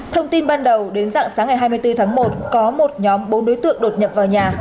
thông tin ban đầu đến dạng sáng ngày hai mươi bốn tháng một có một nhóm bốn đối tượng đột nhập vào nhà